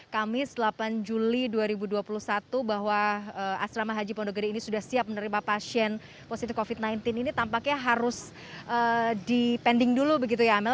kamis delapan juli dua ribu dua puluh satu bahwa asrama haji pondok gede ini sudah siap menerima pasien positif covid sembilan belas ini tampaknya harus dipending dulu begitu ya amel